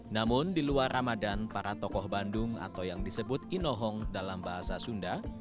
namun di luar ramadan para tokoh bandung atau yang disebut inohong dalam bahasa sunda